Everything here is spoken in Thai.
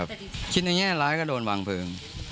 ครับคิดอย่างเงี้ยร้ายก็โดนวางเพลิง